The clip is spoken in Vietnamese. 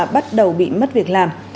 bắt đầu bị mất việc làm